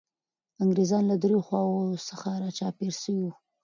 انګریزان له دریو خواوو څخه را چاپېر سوي وو.